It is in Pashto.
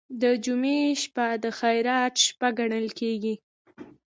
د جمعې شپه د خیرات شپه ګڼل کیږي.